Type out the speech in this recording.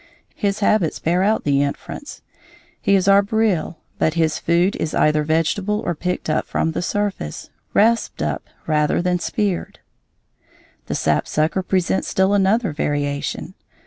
His habits bear out the inference. He is arboreal, but his food is either vegetable or picked up from the surface, rasped up rather than speared. The sapsucker presents still another variation.